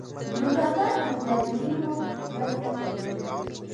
دوکاندار د مجاهدینو مرسته کوي.